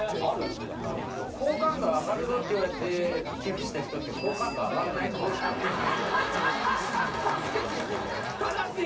絶対好感度上がるぞって言われて寄付した人って好感度上がんないと思う確かに・正しい！